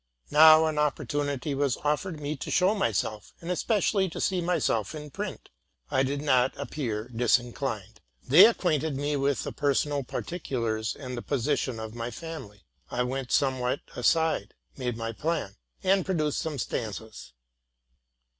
Now an opportunity was offered me to show myself, and especially to see myself in print. I did not appear disinclined. They acquainted me with the personal particulars and the position of the family: I went somewhat aside, made my plan, and produced some stanzas.